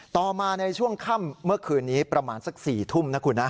ต่อมาในช่วงค่ำเมื่อคืนนี้ประมาณสัก๔ทุ่มนะคุณนะ